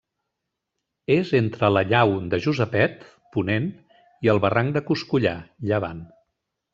És entre la llau de Josepet -ponent- i el barranc del Coscollar -llevant.